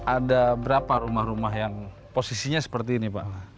ada berapa rumah rumah yang posisinya seperti ini pak